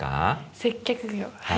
接客業はい